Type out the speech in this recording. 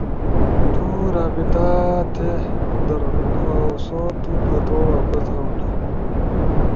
تو رابطہ تھی در اؤ سو تو پتو واپس اونا!